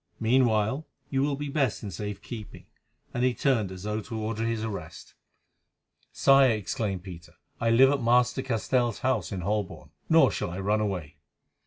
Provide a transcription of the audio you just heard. Meanwhile, you will be best in safe keeping," and he turned as though to order his arrest. "Sire," exclaimed Peter, "I live at Master Castell's house in Holborn, nor shall I run away."